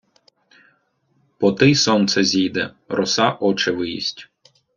Потий сонце зійде — роса очи виїсть.